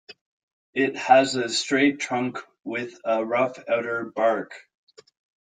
It has a straight trunk with a rough outer bark.